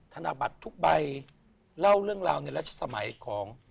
ธนบัตรทุกใบเล่าเรื่องราวในรัชสมัยของ